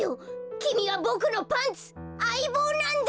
きみはボクのパンツあいぼうなんだ！